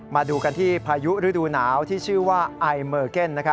มาดูกันที่พายุฤดูหนาวที่ชื่อว่าไอเมอร์เก็น